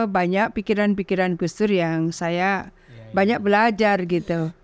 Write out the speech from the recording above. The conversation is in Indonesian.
banyak pikiran pikiran gustur yang saya banyak belajar gitu